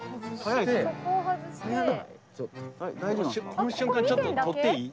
この瞬間ちょっと撮っていい？